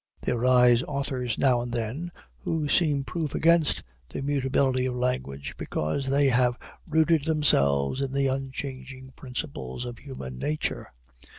There rise authors now and then, who seem proof against the mutability of language, because they have rooted themselves in the unchanging principles of human nature.